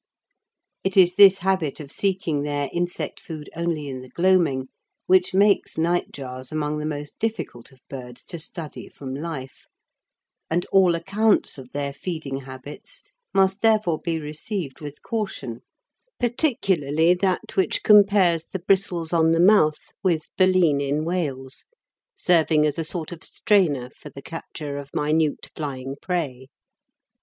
It is this habit of seeking their insect food only in the gloaming which makes nightjars among the most difficult of birds to study from life, and all accounts of their feeding habits must therefore be received with caution, particularly that which compares the bristles on the mouth with baleen in whales, serving as a sort of strainer for the capture of minute flying prey.